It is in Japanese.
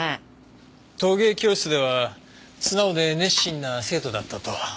陶芸教室では素直で熱心な生徒だったと。